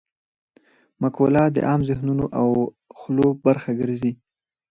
مقوله د عام ذهنونو او خولو برخه ګرځي